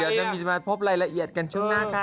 เดี๋ยวจะพบรายละเอียดกันช่วงหน้ากัน